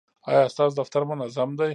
ایا ستاسو دفتر منظم دی؟